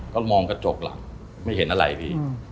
ก็มองกระจกหลังไม่เห็นอะไรพี่